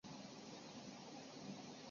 专用经文有所不同。